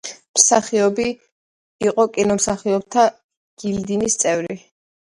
მსახიობი იყო კინომსახიობთა გილდიის წევრი.